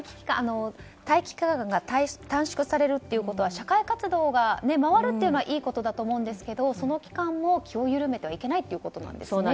待機期間が短縮されるということは社会活動が回るというのはいいことだと思うんですけどその期間も気を緩めてはいけないということですね。